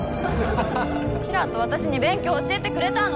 キラと私に勉強教えてくれたの！